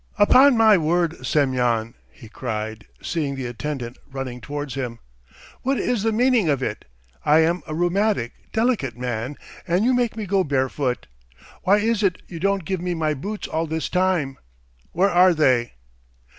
"Upon my word, Semyon!" he cried, seeing the attendant running towards him. "What is the meaning of it? I am a rheumatic, delicate man and you make me go barefoot! Why is it you don't give me my boots all this time? Where are they?"